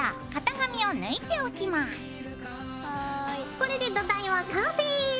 これで土台は完成！